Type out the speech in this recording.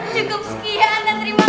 cukup sekian dan terima kasih